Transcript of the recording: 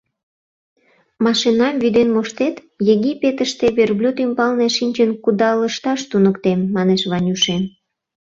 «Машинам вӱден моштет, Египетыште верблюд ӱмбалне шинчын кудалышташ туныктем», — манеш Ванюшем...